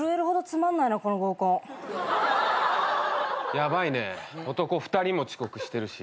ヤバいね男２人も遅刻してるし。